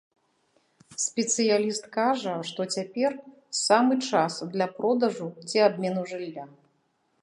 Спецыяліст кажа, што цяпер самы час для продажу ці абмену жылля.